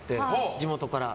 地元から。